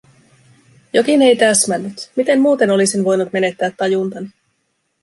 Jokin ei täsmännyt… Miten muuten olisin voinut menettää tajuntani?